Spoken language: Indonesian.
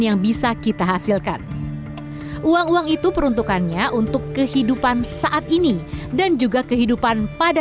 yang bisa kita hasilkan uang uang itu peruntukannya untuk kehidupan saat ini dan juga kehidupan pada